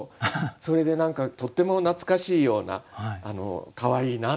それでとっても懐かしいようなかわいいなと思って。